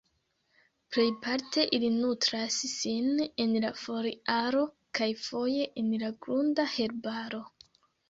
Plejparte ili nutras sin en la foliaro kaj foje en la grunda herbaro.